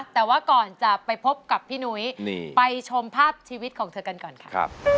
แต่ว่าก่อนจะไปพบกับพี่หนุ้ยไปชมภาพชีวิตของเธอกันก่อนค่ะ